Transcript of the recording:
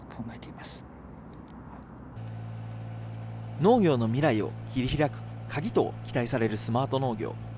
農業の未来を切り開く鍵と期待されるスマート農業。